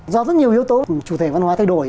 do rất nhiều yếu tố chủ thể văn hóa thay đổi